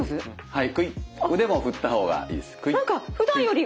はい。